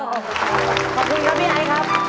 ขอบคุณครับพี่ไอครับ